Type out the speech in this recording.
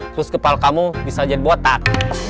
terus kepala kamu bisa jadi buatan